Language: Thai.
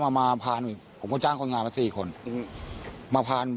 เขาบอกเราเริ่มก่อน